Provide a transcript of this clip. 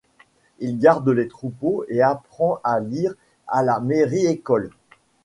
Il garde les troupeaux et apprend à lire à la mairie-école.